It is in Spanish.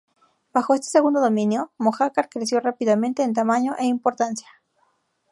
Bajo este segundo dominio, Mojácar creció rápidamente en tamaño e importancia.